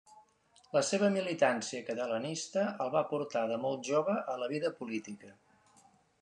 La seva militància catalanista el va portar de molt jove a la vida política.